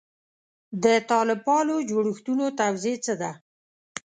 د طالب پالو جوړښتونو توضیح څه ده.